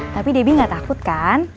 tapi debbie gak takut kan